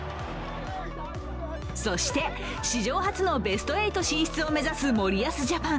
そして、史上初のベスト８進出を目指す森保ジャパン。